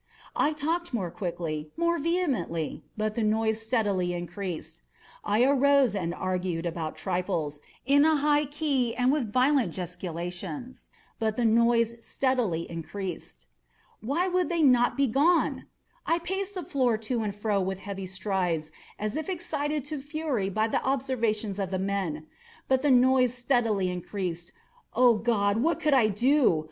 I talked more quickly—more vehemently; but the noise steadily increased. I arose and argued about trifles, in a high key and with violent gesticulations; but the noise steadily increased. Why would they not be gone? I paced the floor to and fro with heavy strides, as if excited to fury by the observations of the men—but the noise steadily increased. Oh God! what could I do?